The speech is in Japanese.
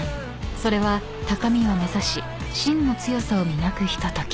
［それは高みを目指し真の強さを磨くひととき］